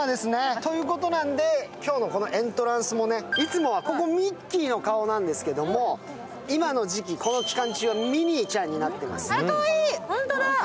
ということなのでエントランス、いつもはここ、ミッキーの顔なんですけど今の時期、この期間中はミニーちゃんになっています。